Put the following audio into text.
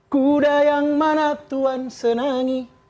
kuda yang mana tuhan senangi